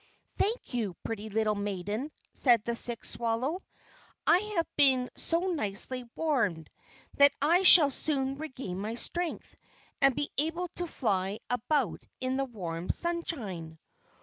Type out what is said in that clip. "Thank you, pretty little maiden," said the sick swallow; "I have been so nicely warmed, that I shall soon regain my strength, and be able to fly about in the warm sunshine."